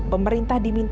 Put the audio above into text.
pemerintah di indonesia